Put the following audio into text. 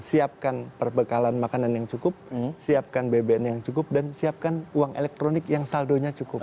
siapkan perbekalan makanan yang cukup siapkan bbm yang cukup dan siapkan uang elektronik yang saldonya cukup